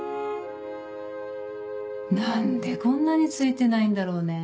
何でこんなにツイてないんだろうね